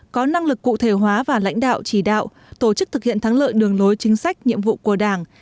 có năng lực cụ thể hóa và lãnh đạo chỉ đạo tổ chức thực hiện thắng lợi đường lối chính sách nhiệm vụ của đảng